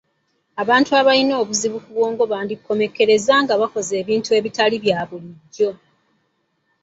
Abantu abalina obuzibu ku bwongo bandikomekkereza nga bakoze ebintu ebitali bya bulijjo.